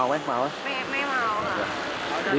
ร้องไปขนาด๔ล้าบี